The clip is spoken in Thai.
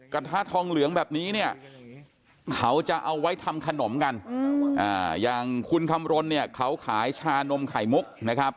กระทะทองเหลืองแบบนี้เนี่ยเขาจะเอาไว้ทำขนมกันอย่างคุณคำรณเนี่ยเขาขายชานมไข่มุกนะครับ